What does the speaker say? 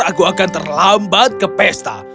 aku akan terlambat ke pesta